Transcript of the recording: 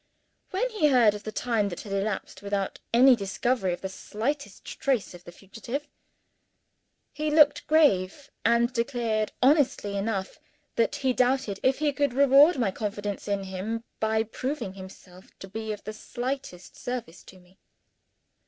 When he heard of the time that had elapsed without any discovery of the slightest trace of the fugitive, he looked grave; and declared, honestly enough, that he doubted if he could reward my confidence in him by proving himself to be of the slightest service to me.